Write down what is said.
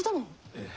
ええ。